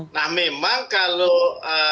nah memang kalau